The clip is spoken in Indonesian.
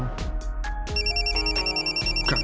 pelar pun udah mati